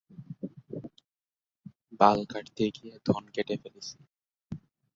প্রশাসনিকভাবে শহরটি চৌদ্দগ্রাম উপজেলার সদর।